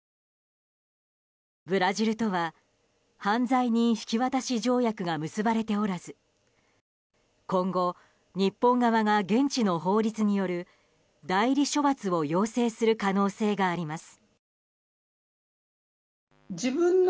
ブラジルとは犯罪人引き渡し条約が結ばれておらず今後、日本側が現地の法律による代理処罰を要請する可能性があります。